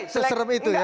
seserep itu ya